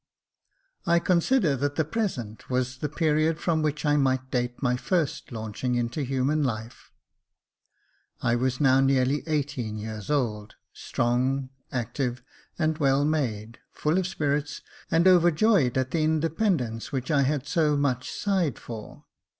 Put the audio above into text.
I CONSIDER that the present was the period from which I might date my first launching into human life. I was now nearly eighteen years old, strong, active, and well made, full of spirits, and overjoyed at the independence which I had so much sighed for.